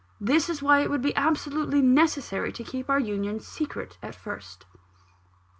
This is why it would be absolutely necessary to keep our union secret at first."